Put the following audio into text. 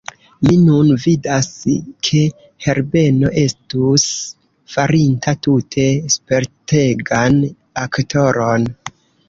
Mi nun vidas, ke Herbeno estus farinta tute spertegan aktoron.